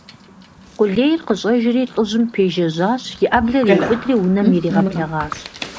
Къулейр къыщӀэжри лӀыжьым пежэжьащ, и Ӏэблэр иубыдри унэм иригъэблэгъащ.